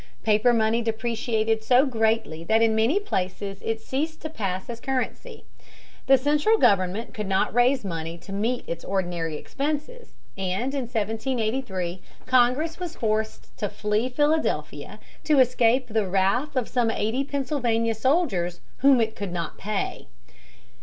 Paper money depreciated so greatly that in many places it ceased to pass as currency. The central government could not raise money to meet its ordinary expenses, and in 1783 Congress was forced to flee Philadelphia to escape the wrath of some eighty Pennsylvania soldiers whom it could not pay.